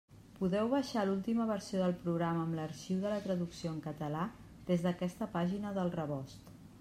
Podeu baixar l'última versió del programa amb l'arxiu de la traducció en català des d'aquesta pàgina del Rebost.